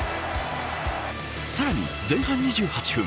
さらに前半２８分。